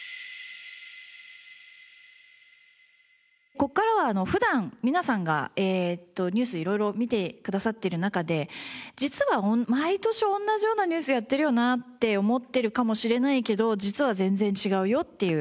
ここからは普段皆さんがニュースを色々見てくださってる中で毎年同じようなニュースやってるよなって思ってるかもしれないけど実は全然違うよっていう。